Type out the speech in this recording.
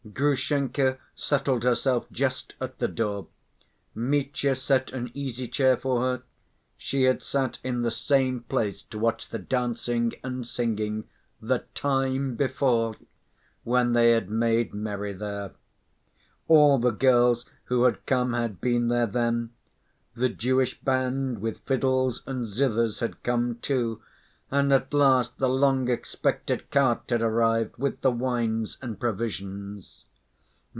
Grushenka settled herself just at the door. Mitya set an easy chair for her. She had sat in the same place to watch the dancing and singing "the time before," when they had made merry there. All the girls who had come had been there then; the Jewish band with fiddles and zithers had come, too, and at last the long expected cart had arrived with the wines and provisions.